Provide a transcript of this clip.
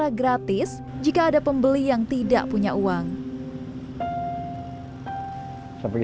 jumio juga menjadikan raya jumio sebagai kekuatan yang terbaik